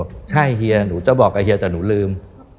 ใช่เฮียหนูจะบอกกับเฮียแต่หนูลืม